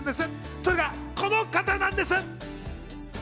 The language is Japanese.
それがこの方なんです。